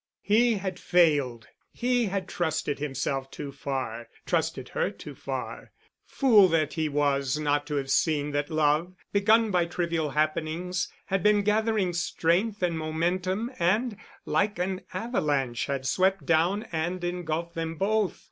He had failed. He had trusted himself too far—trusted her too far. Fool that he was not to have seen that love, begun by trivial happenings, had been gathering strength and momentum and like an avalanche had swept down and engulfed them both.